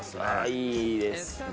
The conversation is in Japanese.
いいですね。